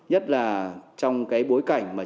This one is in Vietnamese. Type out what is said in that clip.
nhất là trong bối cảnh mà chúng ta đang gặp